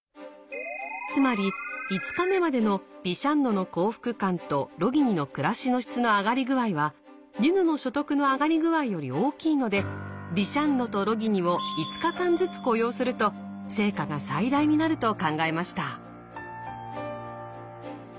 つまり５日目までのビシャンノの幸福感とロギニの暮らしの質の上がり具合はディヌの所得の上がり具合より大きいのでビシャンノとロギニを５日間ずつ雇用すると成果が最大になると考えました。